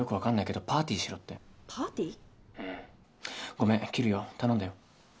ごめん切るよ頼んだよ。